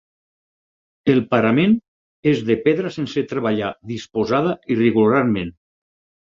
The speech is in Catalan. El parament és de pedra sense treballar disposada irregularment.